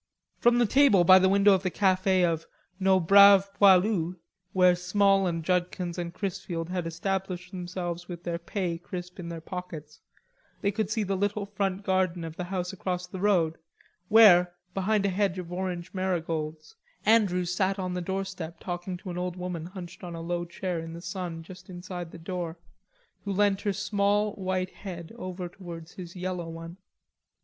From the table by the window of the cafe of "Nos Braves Poilus" where Small and Judkins and Chrisfield had established themselves with their pay crisp in their pockets, they could see the little front garden of the house across the road, where, behind a hedge of orange marigolds, Andrews sat on the doorstep talking to an old woman hunched on a low chair in the sun just inside the door, who leant her small white head over towards his yellow one.